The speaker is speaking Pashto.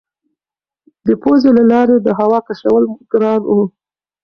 د پوزې له لارې یې د هوا کشول ګران وو.